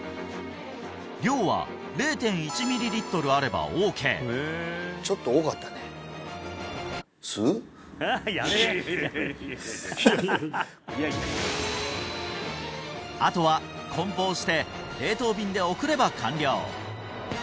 量は０．１ミリリットルあればオーケーあとはこん包して冷凍便で送れば完了！